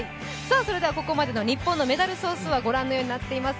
ここまでの日本のメダル総数はご覧のようになっています。